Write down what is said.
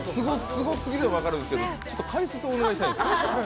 すごすぎるのは分かるんですけど解説をお願いしたいんですよ。